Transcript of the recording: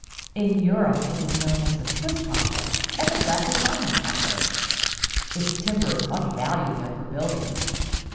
In Europe it is known as the Swiss poplar and the black Italian poplar. Its timber is much valued there for building.